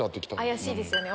怪しいですよね